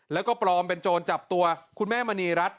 แล้วก็ปลอมเป็นโจรจับตัวคุณแม่มณีรัฐ